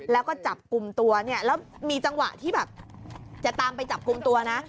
แล้วก็จับกลุ่มตัวเนี่ยแล้วมีจังหวะที่แบบจะตามไปจับกลุ่มตัวนะ